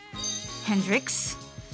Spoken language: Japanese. ヘンドリックス。